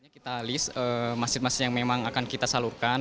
kita list masjid masjid yang memang akan kita salurkan